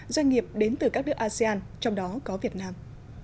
doanh nghiệp đến từ các nước asean trong đó có việt nam